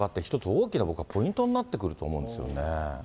大きな僕はポイントになってくると思うんですよね。